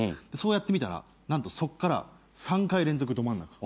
そうやってみたら何とそっから３回連続ど真ん中。